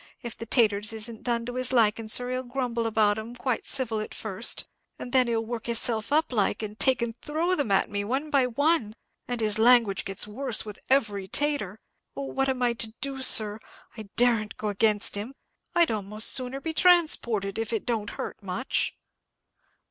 If the 'taters isn't done to his likin', sir, he'll grumble about them quite civil at first, and then he'll work hisself up like, and take and throw them at me one by one, and his language gets worse with every 'tater. Oh, what am I to do, sir! I daren't go against him. I'd a'most sooner be transported, if it don't hurt much."